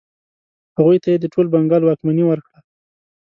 هغوی ته یې د ټول بنګال واکمني ورکړه.